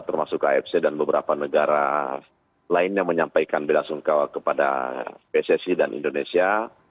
termasuk afc dan beberapa negara lain yang menyampaikan bela sungkawa kepada pssi dan indonesia